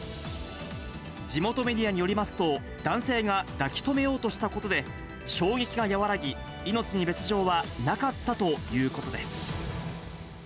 地元メディアによりますと、男性が抱き留めようとしたことで、衝撃が和らぎ、命に別状はなかったということです。